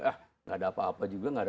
tidak ada apa apa juga